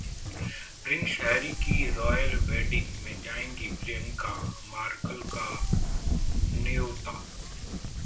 Prince Harry की royal wedding में जाएंगी प्रियंका, मार्कल का न्योता